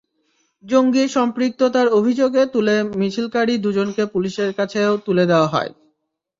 জঙ্গি সম্পৃক্ততার অভিযোগে তুলে মিছিলকারী দুজনকে পুলিশের কাছেও তুলে দেওয়া হয়।